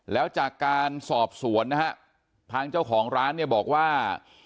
แล้วจากการสอบสวนนะฮะทางเจ้าของร้านเนี่ยบอกว่า